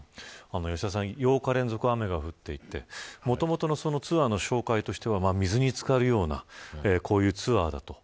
吉田さん８日連続雨が降っていてもともとのツアーの紹介としては水に漬かるようなこういうツアーだと。